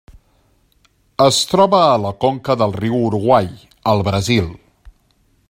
Es troba a la conca del riu Uruguai al Brasil.